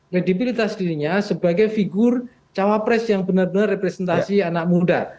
kredibilitas dirinya sebagai figur cawapres yang benar benar representasi anak muda